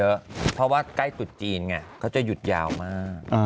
ที่แบบว่าเขาจะหยุดเยอะเพราะว่าใกล้สุดจีนไงเขาจะหยุดยาวมาก